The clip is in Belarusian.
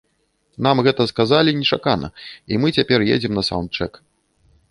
Нам гэта сказалі нечакана і мы цяпер едзем на саўндчэк.